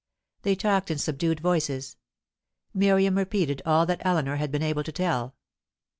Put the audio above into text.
They talked in subdued voices. Miriam repeated all that Eleanor had been able to tell.